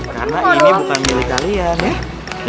karena ini bukan milik kalian ya